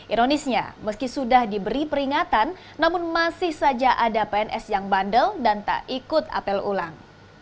ironisnya meski sudah diberi peringatan namun masih saja ada pns yang bandel dan tak ikut apel ulang